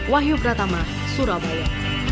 wahyu pratama surabaya